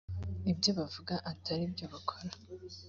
ibyo bavuga atari byo bakora